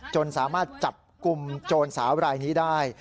จนสามารถจับกลุ่มโจรสาวรายนี้ได้